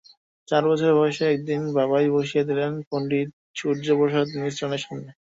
চার বছর বয়সে একদিন বাবাই বসিয়ে দিলেন পণ্ডিত সূর্য প্রসাদ মিশ্রের সামনে।